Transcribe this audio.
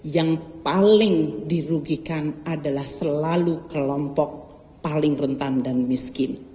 yang paling dirugikan adalah selalu kelompok paling rentan dan miskin